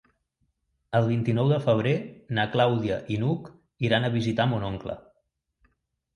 El vint-i-nou de febrer na Clàudia i n'Hug iran a visitar mon oncle.